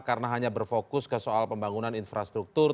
karena hanya berfokus ke soal pembangunan infrastruktur